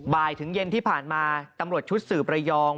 บ่ายถึงเย็นที่ผ่านมาตำรวจชุดสืบระยอง